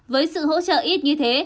với sự hỗ trợ ít như thế